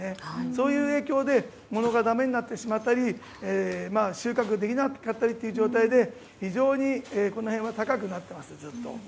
そういう影響でものがだめになってしまったり収穫できなかったりという状態で非常に高くなっています。